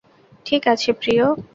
ঠিক আছে, প্রিয়।